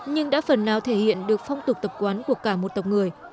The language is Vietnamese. nhưng đã phần nào thể hiện được phong tục tập quán của cả một tộc người